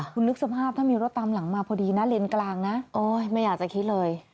คุณนึกสภาพถ้ามีรถตามหลังมาพอดีนะเลนกลางนะโอ๊ยไม่อยากจะคิดเลย